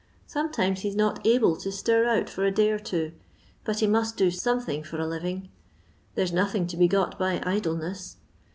Some* times he 's not able to stir out, for a day or tws^ but he must do something for a living; there's nothing to be got by idleness.